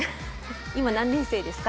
今何年生ですか？